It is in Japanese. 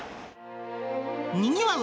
にぎわう